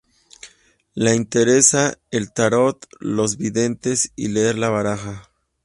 Le interesa el Tarot, los videntes y leer la baraja.